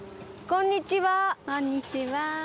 こんにちは。